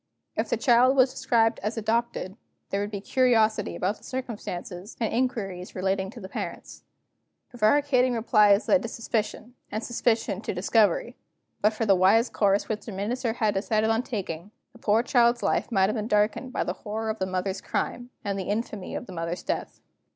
If the child was described as adopted, there would be curiosity about the circumstances, and inquiries relating to the parents. Prevaricating replies lead to suspicion, and suspicion to discovery. But for the wise course which the Minister had decided on taking, the poor child's life might have been darkened by the horror of the mother's crime, and the infamy of the mother's death.